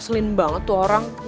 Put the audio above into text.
ngeselin banget tuh orang